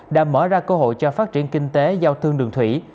đã mở ra cơ hội cho phát triển kinh tế giao thương đường thủy